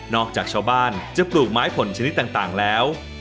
จากชาวบ้านจะปลูกไม้ผลชนิดต่างแล้ว